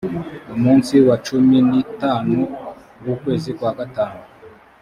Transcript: umunsi wa cumi n itanu w ukwezi kwa gatanu